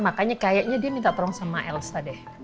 makanya kayaknya dia minta tolong sama elsa deh